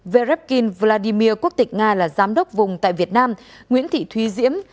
verbin vladimir quốc tịch nga là giám đốc vùng tại việt nam nguyễn thị thúy diễm